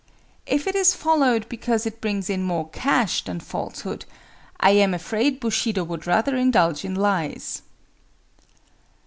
If it is followed because it brings in more cash than falsehood, I am afraid Bushido would rather indulge in lies!